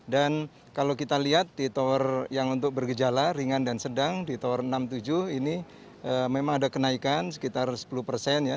dan kalau kita lihat di tower yang untuk bergejala ringan dan sedang di tower enam tujuh ini memang ada kenaikan sekitar sepuluh persen ya